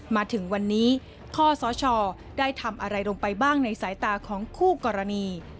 มาถึงวันนี้ข้อสชได้ทำอะไรลงไปบ้างในสายตาของคู่กรณี